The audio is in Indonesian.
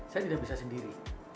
saya tidak bisa sendiri